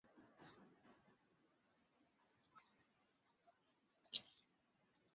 kuanzia Kars hadi Malatya na Ridge ya Karodzhsky ingawa